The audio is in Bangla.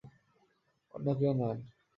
অন্য কেউ নন।